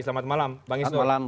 selamat malam bang isnur